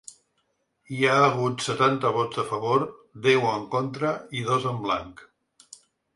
Hi ha hagut setanta vots a favor, deu en contra i dos en blanc.